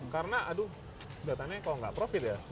karena aduh kebetulannya kalau nggak profit ya